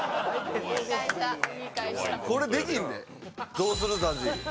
どうするＺＡＺＹ？